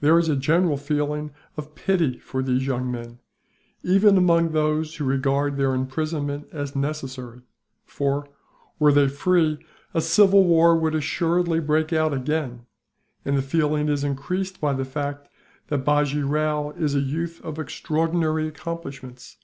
"There is a general feeling of pity for these young men, even among those who regard their imprisonment as necessary for, were they free, a civil war would assuredly break out again and the feeling is increased by the fact that Bajee Rao is a youth of extraordinary accomplishments.